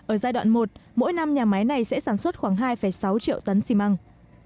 ở giai đoạn một mỗi năm nhà máy này sẽ sản xuất khoảng hai sáu triệu tấn xi măng